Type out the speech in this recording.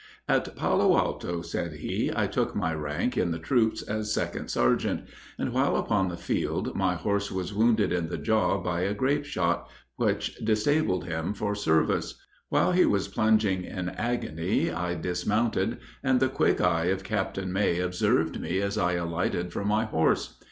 "At Palo Alto," says he, "I took my rank in the troop as second sergeant, and while upon the field my horse was wounded in the jaw by a grape shot, which disabled him for service. While he was plunging in agony I dismounted, and the quick eye of Captain May observed me as I alighted from my horse.